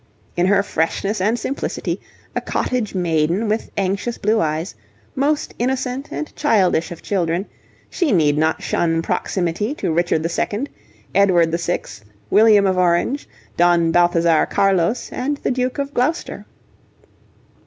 In her freshness and simplicity, a cottage maiden with anxious blue eyes, most innocent and childish of children, she need not shun proximity to Richard II., Edward VI., William of Orange, Don Balthazar Carlos, and the Duke of Gloucester.